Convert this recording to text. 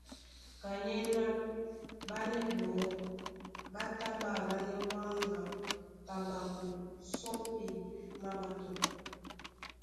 Kanyéná ɓánɛ́ ɓɔɔ́ ɓá tá ɓá alánɛ́ wáŋga, taɓako, sɔ́pi, maɓato.